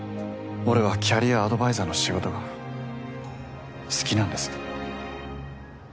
俺はキャリアアドバイザーの仕事が好きなんです。